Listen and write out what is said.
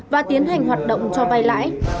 và tiến hành hoạt động cho vai lãi